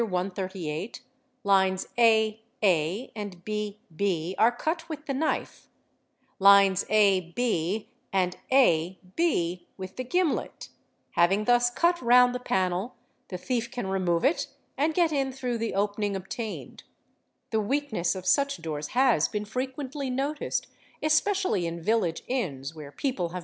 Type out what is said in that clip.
|\ 138 lines ad and bb' are cut with the knife, lines a b and a' b' with the gimlet: having thus ut round the panel the thief can remove it and get in through the opening obtained; the weak ness of such doors has been frequently noticed, »| especially in village inns, where people have: Fig.